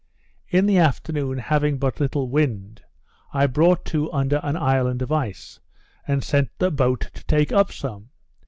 In the afternoon having but little wind, I brought to under an island of ice, and sent a boat to take up some.